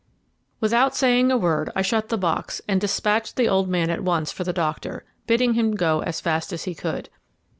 Without saying a word I shut the box and despatched the old man at once for the doctor, bidding him go as fast as he could.